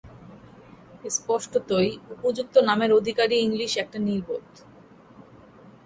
স্পষ্টতই, উপযুক্ত নামের অধিকারী ইংলিশ একটা নির্বোধ।